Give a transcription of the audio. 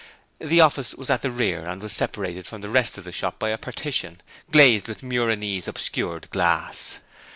The office was at the rear and was separated from the rest of the shop by a partition, glazed with muranese obscured glass.